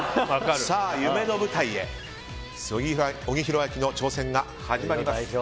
さあ夢の舞台へ小木博明の挑戦が始まります。